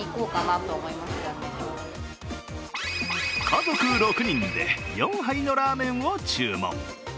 家族６人で４杯のラーメンを注文。